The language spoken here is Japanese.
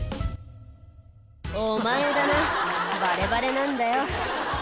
「お前だなバレバレなんだよ」